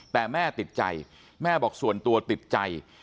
แต่แม่ติดใจแม่บอกส่วนตัวติดใจ